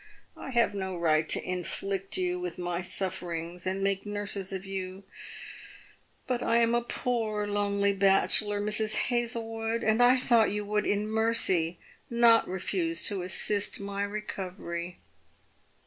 " I have no right to inflict you with my sufferings and make nurses of you, but I am a poor lonely bachelor, Mrs. Hazlewood, and I thought you would in mercy not refuse to assist my recovery."